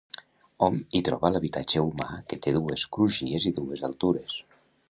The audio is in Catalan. Hom hi troba l’habitatge humà que té dues crugies i dues altures.